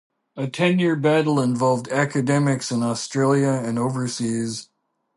A ten-year battle involved academics in Australia and overseas.